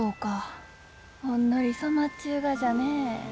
ほんのり染まっちゅうがじゃね。